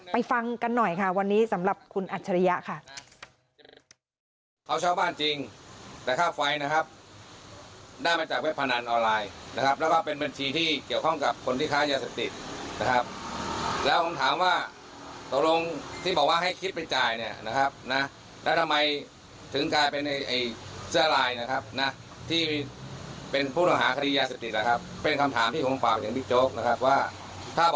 ฟังกันหน่อยค่ะวันนี้สำหรับคุณอัจฉริยะค่ะ